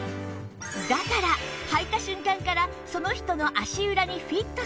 だから履いた瞬間からその人の足裏にフィットするんです